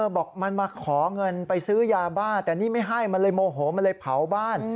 บอกมันมาขอเงินไปซื้อยาบ้าแต่นี่ไม่ให้มันเลยโมโหมันเลยเผาบ้าน